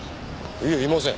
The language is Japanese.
いえいません。